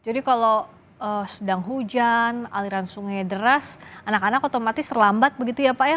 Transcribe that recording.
jadi kalau sedang hujan aliran sungai deras anak anak otomatis terlambat begitu ya pak ya